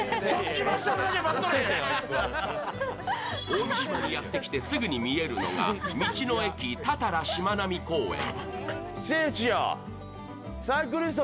大三島にやってきてすぐに見えるのが道の駅多々羅しまなみ公園。